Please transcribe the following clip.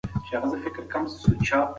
جګړه د انسانانو ترمنځ فاصله رامنځته کوي.